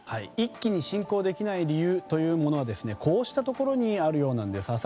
一気に侵攻できない理由はこうしたところにあるようです。